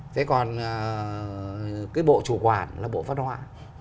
cái bộ chủ quản là bộ văn hóa